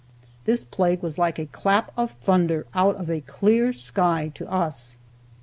This plague was like a clap of thunder out of a clear sky to us.